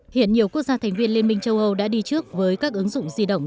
hiện nhiều quốc gia thành viên liên minh châu âu đã đi trước với các ứng dụng di động